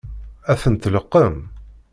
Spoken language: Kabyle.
Ad ten-tleqqem?